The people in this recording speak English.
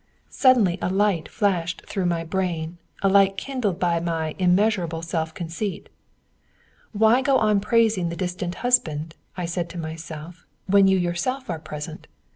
Suddenly a light flashed through my brain, a light kindled by my immeasurable self conceit. "Why go on praising the distant husband," said I to myself, "when you yourself are present?